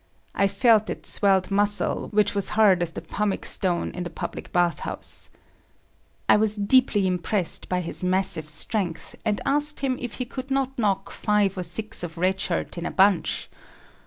I felt its swelled muscle which was hard as the pumic stone in the public bathhouse. I was deeply impressed by his massive strength, and asked him if he could not knock five or six of Red Shirt in a bunch.